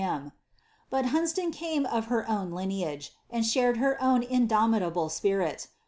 him. But Hunsdon came of her own lineage, and shared lomitable spirit.